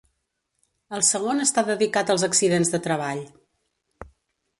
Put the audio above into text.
El segon està dedicat als accidents de treball.